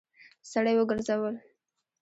سړی وګرځول.